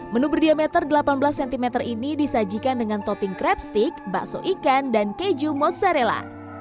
menu berdiameter delapan belas cm ini disajikan dengan topping crepstick bakso ikan dan keju mozzarella